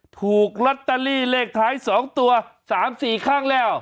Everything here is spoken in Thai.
ถูกลอตเตอรี่เลขท้ายสองตัวสามสี่ครั้งแล้ว